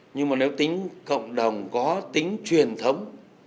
nhưng mà nếu tính cộng đồng có tính truyền thống